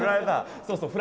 そうそう